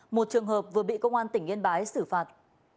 một trường hợp vừa bị công an tỉnh yên bái xử phạt